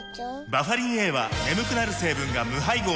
バファリンＡは眠くなる成分が無配合なんです